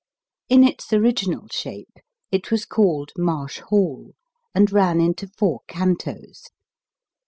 In its original shape it was called Marsh Hall, and ran into four cantos.